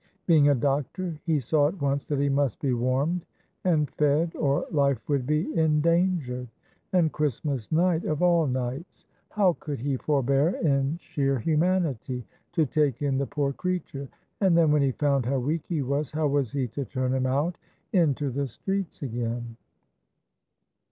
Being a doctor, he saw at once that he must be warmed and fed or life would be endangered, and Christmas night of all nights. How could he forbear in sheer humanity to take in the poor creature, and then when he found how weak he was, how was he to turn him out into the streets again?"